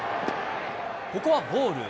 ここはボール。